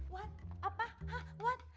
what apa hah what